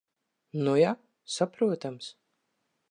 Nu ja. Saprotams.